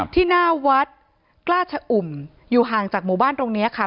ที่หน้าวัดกล้าชะอุ่มอยู่ห่างจากหมู่บ้านตรงนี้ค่ะ